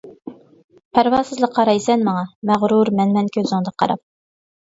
پەرۋاسىزلا قارايسەن ماڭا مەغرۇر مەنمەن كۆزۈڭدە قاراپ.